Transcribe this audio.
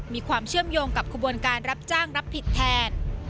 มีความเชื่อมโยงกับขบวนการรับจ้างรับผิดแทน